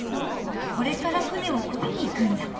これから舟をこぎに行くんだ。